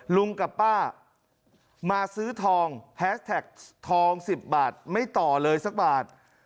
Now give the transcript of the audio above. ลุงกับป้ามาซื้อทองแฮสแท็กทอง๑๐บาทไม่ต่อเลยสักบาท